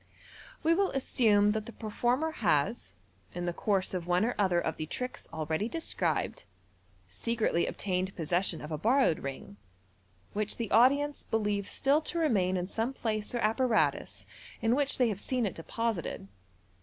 We will assume that the performer has, in the course of one or other of the tricks already described, secretly obtained possession of a borrowed ring, which the audience believe still to remain in some place or apparatus in which they have seen it deposited.